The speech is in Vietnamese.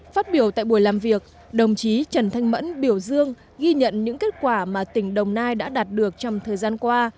phát biểu tại buổi làm việc đồng chí trần thanh mẫn biểu dương ghi nhận những kết quả mà tỉnh đồng nai đã đạt được trong thời gian qua